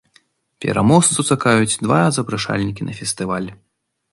Пераможцу чакаюць два запрашальнікі на фестываль!